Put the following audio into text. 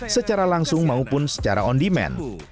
secara langsung maupun secara on demand